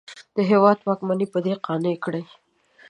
د هېواد واکمن په دې قانع کړي.